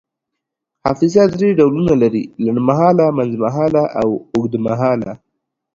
حافظه دری ډولونه لري: لنډمهاله، منځمهاله او اوږدمهاله